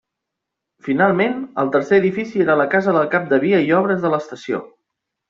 Finalment, el tercer edifici era la casa del cap de via i obres de l'estació.